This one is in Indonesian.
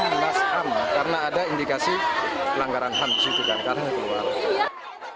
karena ada indikasi pelanggaran ham disitu kan